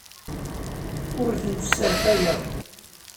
Ur tent-sserfayeɣ.